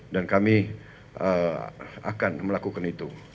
dan kami akan melakukan itu